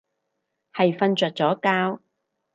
係瞓着咗覺